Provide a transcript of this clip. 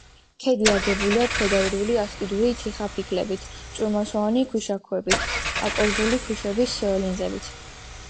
ქედი აგებულია ქვედაიურული ასპიდური თიხაფიქლებით, წვრილმარცვლოვანი ქვიშაქვებით, არკოზული ქვიშაქვების ლინზებით.